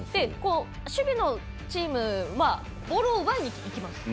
守備のチームはボールを奪いにいきます。